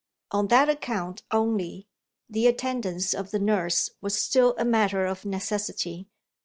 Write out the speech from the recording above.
On that account only, the attendance of the nurse was still a matter of necessity.